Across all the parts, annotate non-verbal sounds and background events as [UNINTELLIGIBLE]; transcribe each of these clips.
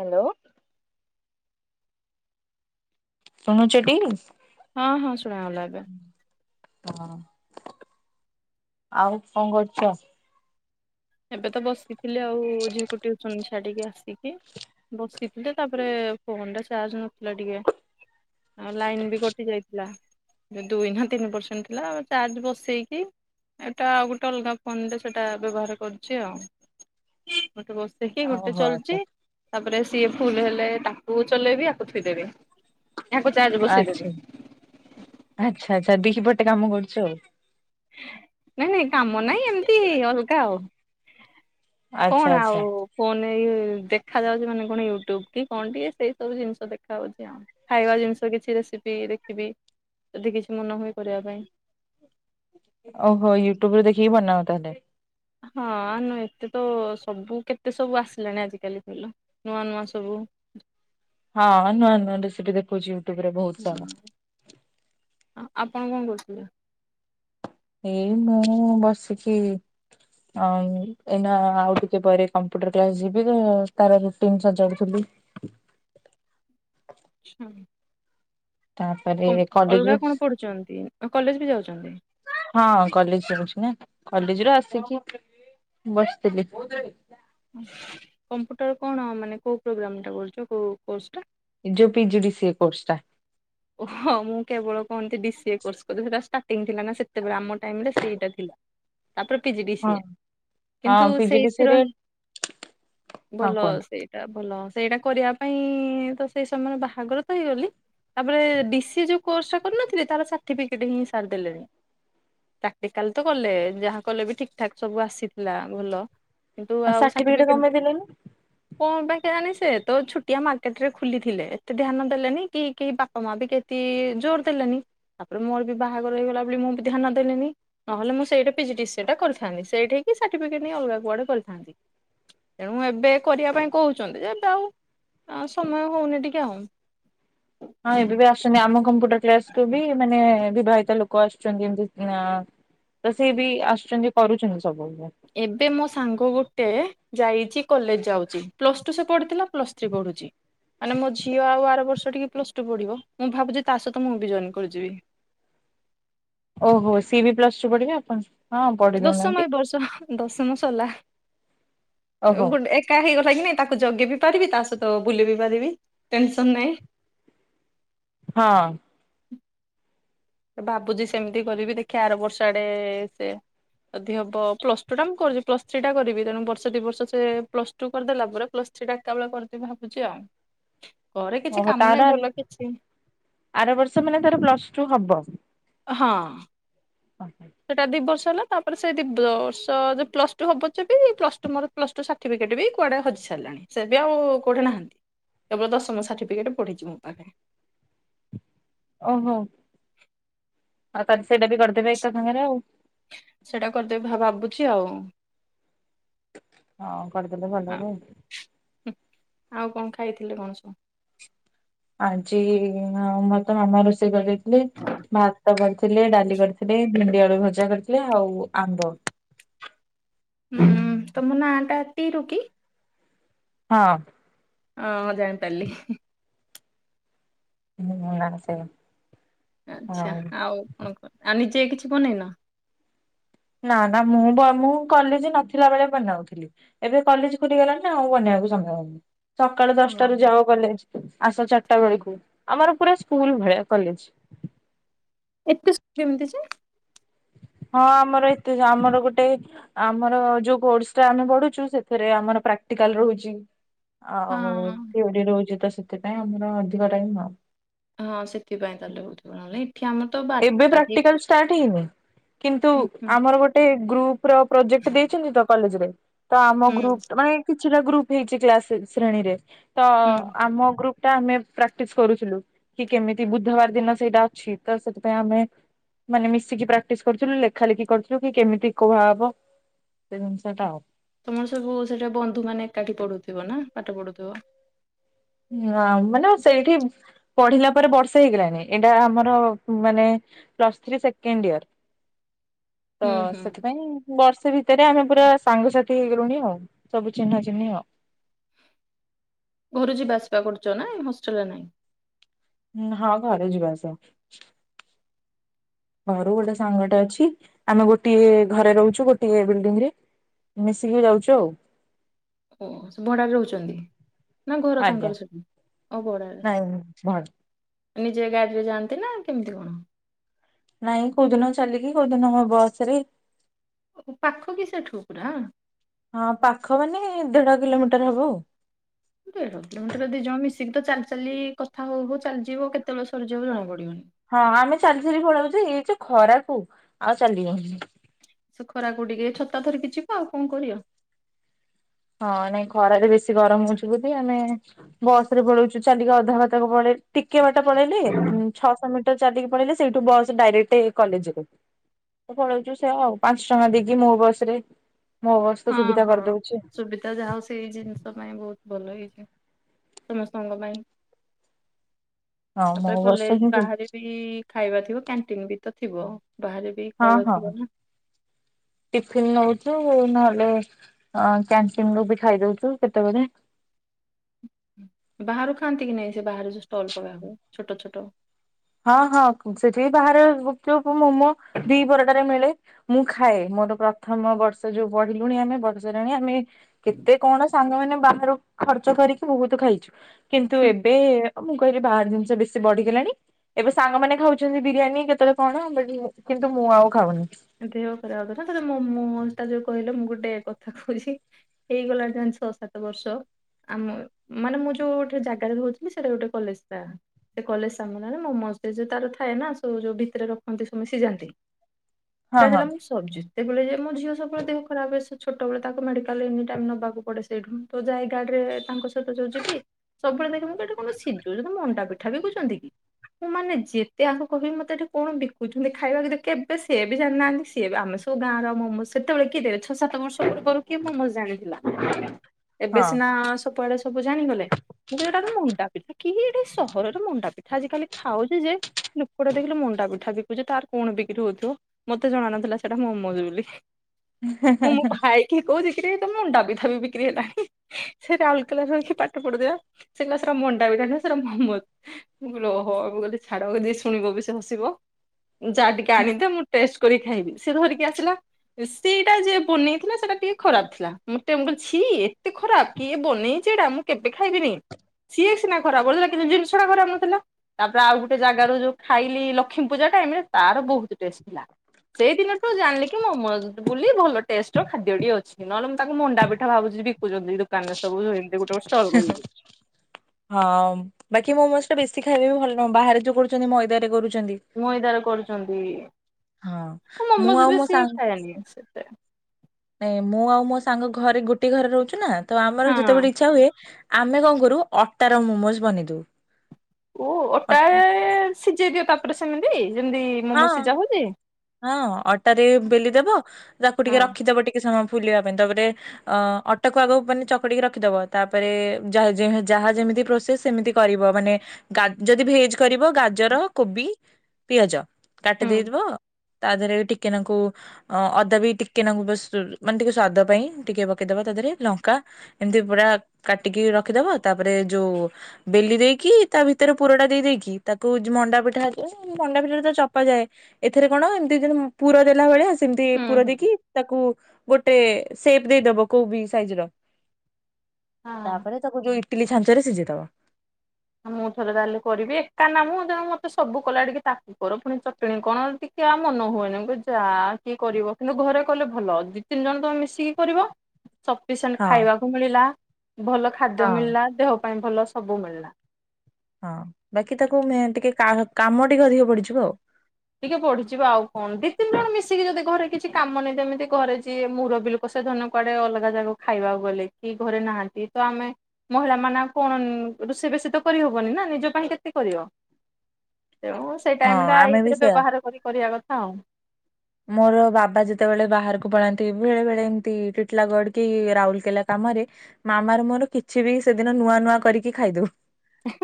Hello ଶୁଣୁଛ ଟି ହଁ ହଁ ସୁଣା ଗଲା ଏବେ ହଁ ଆଉ କଣ କରୁଛ? ଏବେ ତ ବସିଥିଲି, ଆଉ ଝିଅକୁ ଟଉସନ ଛାଡିକି ଆସିକି ବସିଥିଲେ, ତାପରେ ଫୋନ ଟା ଚାର୍ଜ ନଥିଲା ଟିକେ। ଆଉ ଲାଇନ ବି କଟି ଯାଇଥିଲା। ଦୁଇ ନା ତିନି ପରସେଣ୍ଟ ଥିଲା, ଚାର୍ଜ ବସେଇକି ଏଟା ଆଉ ଗୋଟେ ଅଲଗା ଫୋନ ରେ, ସେଟା ବ୍ୟବହାର କର। ଅ ଆଉ ମୁଁ ଏଠି ବସ୍ ଦେଖିକି ଗୋଟେ ଓହୋ ଚଳୁଛି ଆଚ୍ଛା। ତାପରେ। ସିଏ ଫୁଲ୍ ହେଲେ ତାକୁ ଚଲେଇବୀ ୟାକୁ ଥୁଇଦେବି। ଆଛା ଆଚ୍ଛା ଆଚ୍ଛା ଦି ପଟ୍ କେତେ କାମ କରୁଛୁ ଆଉ? ନାଇଁ ନାଇଁ କାମ ନାହିଁ ଏମିତି ଅଲଗା ଆଉ। ଆଚ୍ଛା କଣ ଆଉ ଆଚ୍ଛା। ଫୋନ୍ ରେ ଦେଖା ଯାଉଛି ମାନେ କଣ, ୟୁଟ୍ୟୁବ କି କଣ ଟିକେ, ସେଇ ସବୁ ଜିନିଷ ଦେଖା ହଉଛି ଆଉ। ଖାଇବା ଜିନିଷ କିଛି ରେସିପି ଦେଖିବି, ଯଦି କିଛି ମନ ହୁଏ କରିବା ପାଇଁ। ଓହୋ ୟୁଟ୍ୟୁବ୍ ରେ ଦେଖିକି ବନାଅ ତାହେଲେ। ହଁ, ନୁ ଏତେ ତ ସବୁ କେତେ ସବୁ ଆସିଲାଣି ଆଜିିକାଲି କଇଲ? ନୂଆ ନୂଆ ସବୁ। ହଁ ନୂଆ ନୂଆ ରେସିପି ଦେଖୁଛି। ୟୁ ଟ୍ୟୁବ ରେ ବହୁତ ସାରା। ଆପଣ କଣ କରୁଥିଲେ? ଏଇ ମୁଁ ବସିକି ଅମ୍ ଏଇନା ଆଉ ଟିକେ ପରେ କମ୍ପ୍ୟୁଟର କ୍ଲାସ୍ ଯିବି ତ! ତାର ରୁଟିନ ସଜାଡୁଥିଲି। ଆଚ୍ଛା। ତାପରେ କଲେଜ ରୁ, ପଢୁଛନ୍ତି କଲେଜ ବି ଯାଉଛନ୍ତି? ହଁ କଲେଜ ଯାଉଛି ନା କଲେଜ ରୁ ଆସିକି ବସିଥିଲି। କମ୍ପ୍ୟୁଟର କଣ ମାନେ, କୋଉ ପ୍ରୋଗ୍ରାମ ଟା କରୁଛ, କୋଉ କୋର୍ସ ଟା? ଯୋ ପିଜିଡିସିଏ କୋର୍ସ ଟା। ଓହ! ମୁଁ କେବଳ କହନ୍ତି, ଡିସିଏ କୋର୍ସ କରିଛି, ସେଟା ଷ୍ଟାଟିଙ୍ଗ୍ ଥିଲା ନା ସେତେବେଳେ, ଆମ ଟାଇମ୍ରେ ସେଇଟା ଥିଲା। ତାପରେ ହଁ। ପିଜିଡିସିଏ। ହଁ କିନ୍ତୁ, ପିଜିଡିସିଏ ସେଇଥିର ରେ ହଁ ଭଲ କୁହନ୍ତୁ। ସେଇଟା ଭଲ। ସେଇଟା କରିବା ପାଇଁ, ତ ସେଇ ସମୟରେ ବାହାଘର ତ ହେଇଗଲି। ତାପରେ, ଡିସିଏ ଯୋଉ କୋର୍ସ ଟା କରିନଥିଲି ତାର ସାର୍ଟିଫିକେଟ ହିଁ ସାର୍ ଦେଲେନି। ପ୍ରାକ୍ଟିକାଲ ତ କଲେ, ଯାହା କଲେ ବି ଠିକ୍ ଠାକ୍ ସବୁ ଆସିଥିଲା ଭଲ। କିନ୍ତୁ ଆଉ ସାର୍ଟିଫିକେଟ କଣ ସାର୍ଟିଫିକେଟ୍ [INAUDIBLE] ପାଇଁ ଦେଲେନି? କଣ ପାଇଁ କେଆନି? ସେ ତ ଛୁଟିଆ ମାର୍କେଟ ରେ ଖୋଲିଥିଲେ। ଏତେ ଧ୍ୟାନ ଦେଲେନି କି କେହି ବାପା, ମା ବି କେତେ ଜୋର ଦେଲେନି। ତାପରେ, ମୋର ବି ବାହାଘର ହେଇଗଲା ବୋଲି ମୁଁ ବି ଧ୍ୟାନ ଦେଲିନି। ନହେଲେ, ମୁଁ ସେଇଠି ପିଜିଡିସିଏ ଟା କରିଥାନ୍ତି। ସେଇଠିକି ସାର୍ଟିଫିକେଟ୍ ନେଇ ଅଲଗା କୁଆଡେ କରିଥାନ୍ତି। ତେଣୁ, ଏବେ କରିବା ପାଇଁ କହୁଛନ୍ତି ଯେ, ଏବେ ଆଉ ସମୟ ହଉନି ଟିକେ ଆଉ। କମ୍ପୁଟର କ୍ଲାସକୁୁ ବି ମାନେ ବିବାହିତ ଲୋକ ଆସୁଛନ୍ତି। ଏମତି ତ ସିଏବି ଆସୁଛନ୍ତି କରୁଛନ୍ତି। ସବୁ ଏବେ ମୋ ସାଙ୍ଗ ଗୋ ଟେ ଯାଇଛି କଲେଜ ଯାଉଛି। ପ୍ଲସ୍ ଟୁ ସେ ପଢ଼ିଥିଲା। ପ୍ଲସ୍ ଥ୍ରୀ ପଢ଼ୁଛି। ମାନେ ମୋ ଝିଅ ଆଉ ଆର ବର୍ଷ ଟିକେ ପ୍ଲସ୍ ଟୁ ପଢ଼ିବ। ମୁଁ ଭାବୁଛି! ତା ସହିତ ମୁଁ ବି ଜଏନ୍ କରିଯିବି। ଓହୋ! ସିିଏବି ପ୍ଲସ ଟୁ ପଢିବେ। ଆପଣ ହଁ ପଢି ଦଶମ ଦଉନାହାନ୍ତି ଏବର୍ଷ ହ ଦଶମ। ତଲା। ଓହୋ ଗୋଡେ ଏକାହେଇଗ ହେ, କିନାଇଁ ତାକୁ ଜଗିବି ପାରିବି, ତା ସହିତ ବୁଲିବି ପାରିବି। ଟେନ୍ସନ୍ ନାହିଁ। ହଁ। ଭାବୁଛି ସେମିତି କରିବି। ଦେଖିଆ! ଆର ବର୍ଷ ଆଡେ ଏ ସେ ଯଦି ହବ ପ୍ଲସ ଟୁ ଟା ମୁଁ କରୁଛି, ପ୍ଲସ ଥ୍ରୀ ଟା କରିବି। ତେଣୁ, ବର୍ଷ ଦି ବର୍ଷ ସେ ପ୍ଲସ ଟୁ କରିଦେଲା ପରେ, ପ୍ଲସ୍ ଥ୍ରୀ ଟା ଏକା ବଳେ କରିଦେବି ଭାବୁଛି ଆଉ। ଘରେ କିଛି ଓହୋଃ। କାମ ନାହିଁ ତାର ଭଲ କିଛି ଆର ବର୍ଷ ମାନେ, ତାର ପ୍ଲସ ଟୁ ହବ। ହଁ। ଅ, ସେଟା ଦି ବର୍ଷ ହେଲା। ତାପରେ, ସେ ଦି ବର୍ଷ ଯେ ପ୍ଲସ ଟୁ ହବ ଯିବି, ପ୍ଲସ୍ ଟୁ ମୋର ପ୍ଲସ୍ ଟୁ ସାର୍ଟିଫିକେଟ ବି କୁଆଡେ ହଜି ସାରିଲାଣି? ସେ ବି ଆଉ କୋଉଠି ନାହାନ୍ତି। କେବଳ ଦଶମ ସାର୍ଟିଫିକେଟ ପଢ଼ିଛି ମୋ ପାଖରେ। ଓହୋଃ। [UNINTELLIGIBLE] ସେଇଟା କରିଦେବି ଭାବୁଛି ଆଉ। ହଁ କରିଦେଲେ ଭଲ। ଆଉ କଣ ଖାଇଥିଲେ କଣ ସବୁ? ଆଜି ମତେ ମାମା ରୋଷେଇ କରିଦେଇଥିଲେ। [UNINTELLIGIBLE] ଥିଲେ ଡାଲି କରିଥିଲେ ଭେଣ୍ଡି ଆଳୁ ଭଜା କରିଥିଲେ ଆଉ ଆମ୍ବ। ହୁଁ ତମ ନାଁ ଟା ତିରୁ କି? ହଁ। ହଁ ଜାଣିପାରିଲି। ମୋ ନା ବି ସେଇୟା। ଆଛା ଆଉ କଣ ଆଉ ନିଜେ କିଛି ବନେଇନ। ନା ନା ମୁଁ ମୁଁ କଲେଜ ନଥିଲା ବେଳେ ବନାଉଥିଲି ଏବେ କଲେଜ ଖୋଲିଗଲାଣି ଆଉ ବନେଇବାକୁ ସମୟ ହଉନି। ସକାଳୁ ହଁ ଦଶଟାରୁୁ ଯାଅ କଲେଜ। ଆସ ଚାରିଟା ବେଳକୁ ଆମର ପୁରା ସ୍କୁଲ ଭଳିଆ କଲେଜ। [UNINTELLIGIBLE] ହଁ ଆମର ଏତେ ଯେ ଆମର ଗୋଟେ ଆମର ଯୋଉ କୋର୍ସ ଟା ଆମେ ପଢ଼ୁଛୁ ସେଥିରେ ଆମର ପ୍ରାକ୍ଟିକାଲ ରହୁଛି। ହଁ। [UNINTELLIGIBLE] ସେଥିପାଇଁ ଆମର ଅଧିକ ଟାଇମ ହ ହଁ ସେଥିପାଇଁ ତାହେଲେ ହଉଥିବ ନା ନାଇଁ ଏବେ ପ୍ରାକ୍ଟିକାଲ ଷ୍ଟାର୍ଟ ହେଇନି? କିନ୍ତୁ ହୁଁ ହୁଁ ଆମର ଗୋଟେ ଗ୍ରୁପ୍ ପୁରା ପ୍ରୋଜେକ୍ଟ ଦେଇଛନ୍ତି ତ କଲେଜରେ ତ ଆମ ହୁଁ ଗ୍ରୁପ ମାନେ କି କେତେଟା ଗ୍ରୁପ ହେଇଛି କ୍ଲାସ ଶ୍ରଣୀରେ? ତ ହୁଁ ଆମ ଗ୍ରୁପ ଏଟା ଆମେ ପ୍ରାକ୍ଟିସ କରୁଥିଲୁ କି କେମିତି ବୁଧବାର ଦିନ ସେଇଟା ଅଛି। ତ ସେଥିପାଇଁ ଆମେ ମାନେ ମିଶିକି ପ୍ରାକ୍ଟିସ କରୁଥିଲୁ ଲେଖା ଲେଖି କରିୁଥିଲୁ କି କେମିତି କୁହାହବ ସେ ଜିନିଷ ଟା ଆଉ ତମର ସବୁ ସେଠେ ବନ୍ଧୁ ମାନେ ଏକାଠି ପଢୁଥିବ ନା ପାଠ ପଢୁଥିବ ନାଁ ମାନେ ସେଇଠି ପଢିଲା ପରେ ବର୍ଷେ ହେଇଗଲାଣି ଏଇଟା ଆମର ମାନେ ପ୍ଲସଥ୍ରୀ ସେକେଣ୍ଡ ଇୟର ତ ହୁଁ ହୁଁ ସେଥିପାଇଁ ବର୍ଷେ ଭି ତରେ ଆମେ ପୁରା ସାଙ୍ଗସାଥି ହେଇଗଲୁଣି ଆଉ ସବୁ ଚିହ୍ନା ଚିହ୍ନି ଆଉ ଘରୁ ଯିବା ଆସିବା କରୁଚ ନା ହଷ୍ଟେଲରେ ନାଇଁ ଉଁ ହଁ ଘରେ ଯିବା ଆସିବା ଘରୁ ଗୋଟେ ସାଙ୍ଗଟେ ଅଛି। ଆମେ ଗୋଟିଏ ଘରେ ରହୁଚୁ। ଗୋଟିଏ ବିଲ୍ଡିଂ ରେ ମିଶିକି ଯାଉଚୁ ଆଉ। ଓ ଭଡାରେ ରହୁଚନ୍ତି। ନା ଘର ଆଜ୍ଞା ତାଙ୍କର ସେଠି? ଓ ନାଇଁ ଭ ଭଡାରେ ନିଜେ ଗାଡି ରେ ଯାଆନ୍ତି ନା କେମିତି କଣ? ନାଇଁ କୋଉଦିନ ଚାଲିକି କୋଉଦିନ ମୋ ବସ୍ ରେ ଓ ପାଖ କି ସେଠୁ ପୁରା। ହଁ ପାଖ ମାନେ ଦେଢ କିଲୋମିଟର ହବ ଆଉ ଦେଢ କିଲୋମିଟର ଦି ଜଣ ମିଶିକି ତ ଚାଲି ଚାଲି କଥା ହଉ ହଉ ଚାଲିଯିବ କେତେବେଳେ ସରିଯିବ ଜଣା ପଡିବନି। ହଁ ଆମେ ଚାଲିଚାଲି ପଳାଉ ଯେ ଏ ଯୋଉ ଖରା କୁ ଆଉ ଚାଲି ହଉନି। ସେ ଖରାକୁ ଟିକେ ଛତା ଧରିକି ଯିବ ଆଉ କଣ କରିବ? ହଁ ନାଇଁ ଖରାରେ ବେଶୀ ଗରମ ହଉଛି ବୋଧେ ଆମେ ବସ ରେ ପଳଉଚୁ ଚାଲିକି ଅଧା ବାଟକ ପଳେଇ ଟିକେ ବାଟ ପଳେଇଲେ ଉଁ ଛଅଶହ ମିଟର। ଚାଲିକି ପଳେଇଲେ ସେଇଠୁ ବସ ଡାଇରେଟେ କଲେଜକୁ ତ ପଳଉଚୁ ସେୟା ଆଉ ପାଞ୍ଚ ଟଙ୍କା ଦେଇକି ମୋ ବସ ରେ ମୋ ବସ୍ ତ ହଁ ସୁବିଧା ହଁ କରିଦଉଚି ସୁବିଧା ଯାହା ହଉ ସେଇ ଜିନିଷ ପାଇଁ ବହୁତ ଭଲ ହେଇଚି ସମସ୍ତଙ୍କ ପାଇଁ। ହଁ ମୋ ତାପରେ ବସ୍ ରେ କଲେଜ ହିଁ ଯିବୁ ବାହାରେ ବି ଖାଇବା ଥିବ କ୍ୟାଣ୍ଟିନ ବି ତ ଥିବ। ବାହାରେ ବି ହଁ ଖାଇବା ହଁ ଥିବ ନା ଟିଫିନ ନଉଚୁ ନ ହେଲେ କ୍ୟାଣ୍ଟିନ ରୁ ବି ଖାଇ ଦଉଚୁ କେତବେଳେ ବାହାରୁ ଖାଆନ୍ତି କି ନାହିଁ ସେ ବାହାରୁ ଯୋଉ ଷ୍ଟଲ ପକାହୁଏ ଛୋଟ ଛୋଟ ହଁ ହଁ ସେଠି ବାହାରେ ଗୁପଚୁପ ମୋମୋ ଦିପହର ଟାରେ ମିଳେ। ମୁଁ ଖାଏ ମୋର ପ୍ରଥମ ବର୍ଷ ଯୋଉ ପଢିଲୁଣି ଆମେ ବର୍ଷେ ହେଲାଣି ଆମେ କେତେ କଣ ସାଙ୍ଗମାନେ ବାହାରୁ ଖର୍ଚ୍ଚ କରିକି ବହୁତ ଖାଇଛୁ। କିନ୍ତୁ ଏବେ ଉ ମୁଁ କହିଲି ବାହାର ଜିନିଷ ବେଶୀ ବଢିଗଲାଣି। ଏବେ ସାଙ୍ଗମାନେ ଖାଉଛନ୍ତି ବିରିୟାନୀ କେତେବେଳେ କଣ ବଟ୍ କିନ୍ତୁ ମୁଁ ଆଉ ଖାଉନି। ତା ଯୋଉ କହିଲ ମୁଁ ଗୋଟେ କଥା କହୁଛି ହେଇଗଲାଣି ଯାହାନି ଛଅ ସାତ ବର୍ଷ ଆମ ମାନେ ମୁଁ ଯୋଉ ଗୋଟେ ଜାଗାରେ ମୁଁ ରହୁଥିଲି ସେଟା ଗୋଟେ କଲେଜ ତା ସେ କଲେଜ ସାମ୍ନାରେ ମୋ ମାଉସୀ ର ଝିଅ ତାର ଥାଏ ନା ସବୁ ଯୋଉ ଭିତରେ ରଖନ୍ତି ସବୁ ସିଝାନ୍ତି। ହଁ ହଁ ସେଟାଥିଲା ମୁଁ ସବଜି। ନେବୁଲାଇଜର୍ ମୋ ଝିଅ ସବୁବେଳେ ଦେହ ଖରାପ ହୁଏ ସେ ଛୋଟବେଳେ ତାକୁ ମେଡିକାଲରେ ଏନି ଟାଇମ୍ ନବାକୁ ପଡେ ସେଇଠୁ୍ଁ ତ ଯାଏ ଗାଡ଼ିରେ ତାଙ୍କ ସ [UNINTELLIGIBLE] ସବୁବେଳେ ଦେଖେ ମୁଁ କହେ ଏଇଟା କଣ ସିଜଉଛନ୍ତି ମଣ୍ଡାପି ପିଠା ବିକୁଛନ୍ତି କି? ମୁଁ ମାନେ ଯେତେ ଆଙ୍କୁ କହିବି ମତେ ଏଠି କଣ ବିକୁଛି ମତେ ଖାଇବାକୁ ଦିଅ କେବେ ସେ ସିଏ ବି ଜାଣିନାହାନ୍ତି। ‍ ସିଏ ବି ଆମେ ସବୁ ଗାଁର ମୋମୋଜ ସେତେବେଳେ କିଏ ଦେବେ ଛଅ ସାତ ବର୍ଷ ପୂର୍ବରୁ କିଏ ମୋମୋଜ ଜାଣିଥିଲା। ଏବେ ସିନା ସବୁଆଡେ ସବୁ ଜାଣିଗଲେ। ମୁଁ କହିଲି ଏଟା ବା ମଣ୍ଡା ପିଠା କିଏ ଏଠି ସହରରେ ମଣ୍ଡା ପିଠା ଆଜିିକାଲି ଖାଉଚୁ ଯେ ଲୁକଟା ଦେଖିଲୁ ମଣ୍ଡା ପିଠା ବିକୁଚି ତାର କଣ ବିକ୍ରି ହଉଥିବ। ମତେ ଜଣା ନଥିଲା ସେଟା ମୋମୋଜ ବୋଲି। ମୁଁ ହଁ। ମୋ ଭାଇ କି କହୁଚି କିରେ, ଏତ ମଣ୍ଡାପିଠା ବି ବିକ୍ରି ହେଲାଣି। ସେ ରାଉରକେଲାରେ ରହିକି ପାଠ ପଢୁଥିଲା। ସେ କହିଲା, ମଣ୍ଡାପିଠା ସେଟା ନୁହଁ ମୋମୋଜ୍। ମୁଁ କହିଲି, ଓହୋ। ମୁ କହିଲି ଛାଡ ଯିଏ ଶୁଣିବ ବି ସେ ହସିବ। ଯା ଟିକେ ଆଣିଥା ମୁଁ [INAUDIBLE] ଖାଇବି, ସେ ଧରିକି ଆସିଲା। ସେଇଟା ଯିଏ ବନେଇଥିଲା, ସେଇଟା ଟିକେ ଖରାପ ଥିଲା। ମୁଁ କହିଲି ଛି, ଏତେ ଖରାପ କିଏ ବନେଇଛିଇଟା। ମୁଁ କେବେ ଖାଇବିନି। ସିଏ ସିନା ଖରାପଥିଲା, କି ଜିନିଷ ଟା ଖରାପ ନଥିଲା। ତାପରେ, ଆଉ ଗୋଟେ ଜାଗାରୁ ଯୋଉ ଖାଇଲି। ଲକ୍ଷ୍ମୀ ପୂଜା ଟାଇମ୍ ରେ ତାର ବହୁତ ଟେଷ୍ଟ ସେଇ ଦିନଠୁ ଜାଣିଲି, ମୋମୋଜ୍ ବୋଲି ଭଲ ଟେଷ୍ଟର ଖାଦ୍ୟଟିଏ ଅଛିି। ନହେଲେ, ମୁଁ ତାକୁ ମଣ୍ଡା ପିଠା ଭାବୁଛି। ବିକୁଛନ୍ତି ଦୋକାନରେ ସବୁ, ତି ହଁ ବାକି ମୋମୋ ବେଶୀ ଖାଇବା ବି ଭଲ ନୁହଁ, ବାହାରେ ଯୋଉ କରୁଛନ୍ତି ମଇଦାରେ କରୁଛ ମଇଦାରେ କରୁଛନ୍ତି। ହଁ ମୁଁ ମୋମୋଜ ଆଉ ବି ମୋ ସିଏ ସାଙ୍ଗ ଖାଏନି ସେତେ ନାଇଁ, ମୁଁ ଆଉ ମୋ ସାଙ୍ଗ ଘରେ ଗୋଟେ ଘରେ ରହୁଛୁ ନା। ତ ଆମର ହଁ। ଯେତେବେଳେ ଇଚ୍ଛା ହୁଏ ଆମେ କଣ କରୁ, ଅଟାର ମୋମୋଜ ବନେଇଦଉ। ଓ ଅଟ ଓଟା ସିଝେଇ ଦିଅ ତାପରେ କ ସେମିତି ଯେମିତି ହଁ ମୋମୋ [UNINTELLIGIBLE] ସିଝାଉଯାଏ। ହଁ ଅଟାରେ ବେଲିଦବ ତାକୁ ହଁ ଟିକେ ରଖିଦବ ଟିକେ ସମୟ ଫୁଲିବା ପାଇଁ। ତାପରେ, ଅ ଅଟାକୁ ଆଗକୁ ମାନେ ଚକଟିକି ରଖିଦବା। ତାପରେ, ଯାହା ଯେମିତି ପ୍ପ୍ରୋସେସ ସେମିତି କରିବ। ମାନେ, ଯଦି ଭେଜ କରିବ, ଗାଜର, କୋବି, ପିଆଜ କାଟି ହୁଁ ଦେଇଦବ। ତା ଦେହରେ ଟିକେନାଙ୍କୁ, ଅ ଅଦା ବି ଟିକେନାଙ୍କୁ, ବସ୍ ମାନେ ଟିକେ ସ୍ଵାଦ ପାଇଁ ଟିକେ ପକେଇଦବା। ତା ଦେହରେ ଲଙ୍କା ଏମିତି ପୁରା କାଟିକି ରଖିଦବା। ତାପରେ ଯୋଉ ବେଲି ଦେଇକି, ତା ଭିତରେ ପୁରଟା ଦେଇ ଦେଇକି, ତାକୁ ମଣ୍ଡା ପିଠା ହେଲେ ମଣ୍ଡା ପିଠା ରେ ତ ଚପା ଯାଏ। ଏଥିରେ କଣ ଏମିତି ଯେ ପୁର ଦେଲା ଭଳିଆ। ସେମତି ହୁଁ ପୁର ଦେଇକି ହୁଁ ତାକୁ। ଗୋଟେ ସେପ ଦେଇଦବ, କୋଉ ବି ସାଇଜ ର। ହଁ। ତାପରେ ତାକୁ ଯ ଇଟିଲି ଛାଞ୍ଚ ରେ ସିଝେଇ ଦବ। ଆଉ ମୁଁ ଥରେ ତାହେଲେ କରିବି ଏକା ନା ମୁଁ ତେଣୁ ମ ତ, ସବୁ କଲା। ଟିକେ ତାକୁ କର ପୁଣି ଚଟଣୀ କଣ ଟିକେ ଆ ମନ ହୁଏନି। ମୁଁ ଯା କିଏ କରିବ? କିନ୍ତୁ ଘରେ କଲେ ଭଲ, ଦି ତିନି ଜଣ ତମେ ମିଶିକି କରିବ। ସଫିସିଏଣ୍ଟ ହଁ ଖାଇବାକୁ ମିଳିଲା, ଭଲ ହଁ ଖାଦ୍ୟ ମିଳିଲା ଦେହ। ପାଇଁ ଭଲ ସବୁ ମିଳିଲା। ହଁ ବାକି ତାକୁ ମେ ଟିକେ କା କାମ ଟିକେ ଅଧିକ ପଡିଯିବ ଆଉ। ଟିକେ ବଢିଯିବ ଆଉ କଣ? ଦି ତିନି ଜଣ ମିଶିକି ଯଦି ଘରେ କିଛି କାମନାଇ, ଯେମିତି ଘରେ ଯିଏ ମୁରବି ଲୋକ ସେ ଧରିନ୍ୟ କୁଆଡେ ଅଲଗା ଜାଗା ଖାଇବାକୁ ଗଲେ। କି ଘରେ ନାହାନ୍ତି ତ ଆମେ ମହିଳା ମାନ କଣ ରୋଷେଇ ବେଶୀ ତ କରିହବନି ନା ନିଜ ପାଇଁ କେତେ କରିବ। ତେଣୁ ସେଇ ହଁ ଟାଇମଟା ଇ ଆମେ ବି ସେୟା ମୋର ବାବା ଯେତେବେଳେ ବାହାରକୁ ପଳାନ୍ତି ବେଳେ ବେଳେ, ଏମତି ଟିଟଲା ଗଡ କି ରାଉଲକେଲା, କାମରେ। ମାମାର ମୋର କିଛି ବି ସେଦିନ ନୂଆ ନୂଆ କରିକି ଖାଇଦଉ।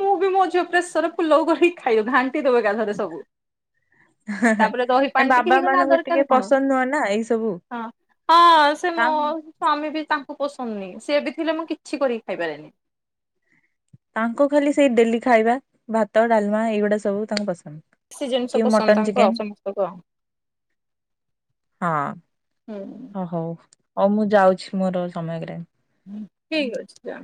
ମୁଁ ବି ମୋ ଝିଅ ପ୍ରେଶର ପୁଲାଉ କରିକି ଖାଇବ, ଘାଣ୍ଟି ଦବ ଏକାଥରେ ସବୁ। ତାପରେ ଦହି ଏ ପାଣି ଟିକେ ବାବା ହେଇଗଲା, ଆଉ ମାନଙ୍କୁ ଟିକେ ଦରକାର କଣ? ପସନ୍ଦ ନୁହଁ ନା ଏଇ ସବୁ ହଁ ହଁ ସେ ତା ମୋ ସ୍ଵାମୀ ବି ତାଙ୍କ ପସନ୍ଦନି ସିଏ ବି ଥିଲେ ମୁଁ କିଛି କରିକି ଖାଇପାରେନି। ତାଙ୍କୁ ଖାଲି ସେଇ ଡେଲି ଖାଇବା ଭାତ ଡାଲମା ଏଇଗୁଡା ସବୁ ତାଙ୍କୁ ପସ ଦେଶୀ ଜିନିଷ ପସନ୍ଦ ତାଙ୍କୁ ଆଉ ସମସ୍ତଙ୍କୁ ଆଉ ହଁ ହୁଁ। ହ ହଉ ହଉ ମୁଁ ଯାଉଛି ମୋର ସମୟ ହେଇଗଲାଣି। ହଁ ଠିକ ଅଛି ଯା।